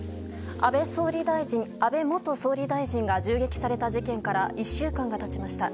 安倍元総理大臣が銃撃された事件から１週間が経ちました。